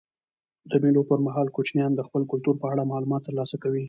د مېلو پر مهال کوچنيان د خپل کلتور په اړه معلومات ترلاسه کوي.